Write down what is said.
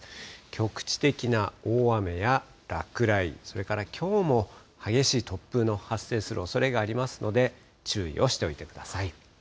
局地的な大雨や落雷、それからきょうも激しい突風の発生するおそれがありますので、注意をしておいてください。